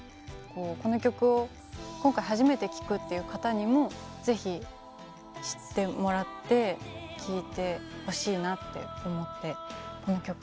こうこの曲を今回初めて聴くっていう方にも是非知ってもらって聴いてほしいなって思ってこの曲を選びました。